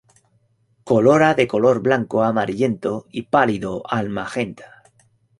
Corola de color blanco amarillento y pálido al magenta.